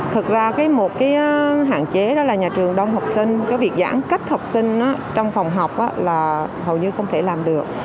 thực ra một cái hạn chế đó là nhà trường đông học sinh cái việc giãn cách học sinh trong phòng học là hầu như không thể làm được